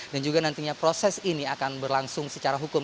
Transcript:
juga nantinya proses ini akan berlangsung secara hukum